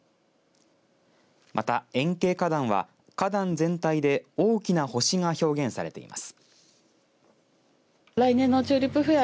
また、円形花壇は花壇全体で大きな星が表現されています。